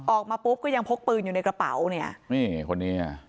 ออกมาปุ๊บก็ยังพกปืนอยู่ในกระเป๋าเนี่ยนี่คนนี้อ่ะ